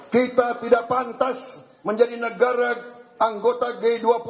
kita tidak pantas menjadi negara anggota g dua puluh